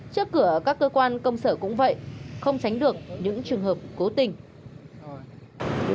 trước cửa các cơ quan công sở cũng vậy không tránh được những trường hợp cố tình